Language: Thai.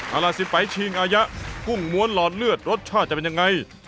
เอาล่ะสิไปชิงอายะกุ้งม้วนหลอดเลือดรสชาติจะเป็นยังไง